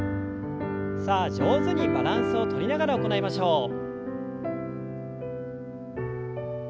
さあ上手にバランスをとりながら行いましょう。